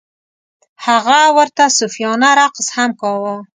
هغه ورته صوفیانه رقص هم کاوه.